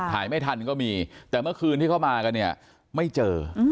ถ่ายไม่ทันก็มีแต่เมื่อคืนที่เขามากันเนี่ยไม่เจอ